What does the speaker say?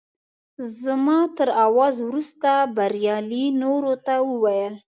زما تر اواز وروسته بریالي نورو ته وویل.